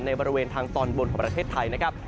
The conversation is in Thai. บริเวณทางตอนบนของประเทศไทยนะครับ